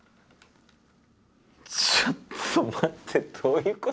ちょっと待ってどういうこと？